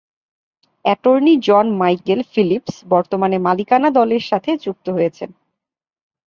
Attorney John Michael Phillips বর্তমানে মালিকানা দলের সাথে যুক্ত হয়েছেন।